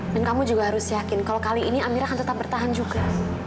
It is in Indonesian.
dan kamu juga harus yakin kalau kali ini amirah akan tetap bertahan juga